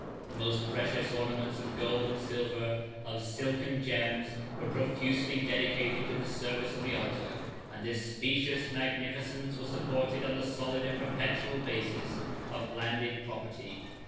The most precious ornaments of gold and silver, of silk and gems, were profusely dedicated to the service of the altar; and this specious magnificence was supported on the solid and perpetual basis of landed property.